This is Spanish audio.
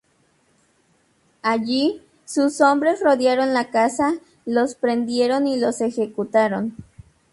Allí sus hombres rodearon la casa, los prendieron y los ejecutaron.